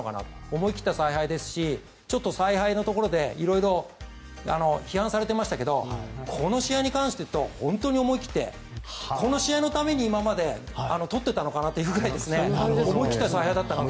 思い切った采配ですしちょっと采配のところで色々、批判されていましたがこの試合に関して言うと、本当に思い切ってこの試合のために今まで取っていたのかなっていうくらい思い切った采配だったなと。